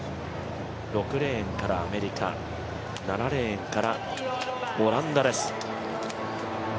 ６レーンからアメリカ、７レーンからオランダです。